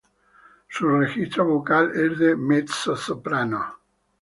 Sus registro vocal es de mezzosoprano.